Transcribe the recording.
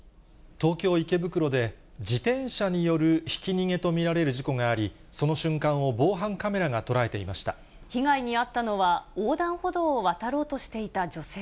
東京・池袋で、自転車によるひき逃げと見られる事故があり、その瞬間を防犯カメ被害に遭ったのは、横断歩道を渡ろうとしていた女性。